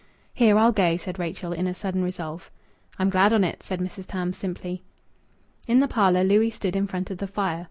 "Here! I'll go," said Rachel, in a sudden resolve. "I'm glad on it," said Mrs. Tams simply. In the parlour Louis stood in front of the fire.